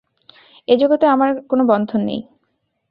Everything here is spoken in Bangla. এ জগতে আমার আর কোন বন্ধন নেই।